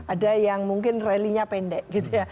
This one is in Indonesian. ada yang mungkin rally nya pendek gitu ya